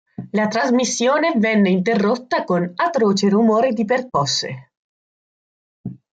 La trasmissione venne interrotta, “con atroce rumore di percosse”.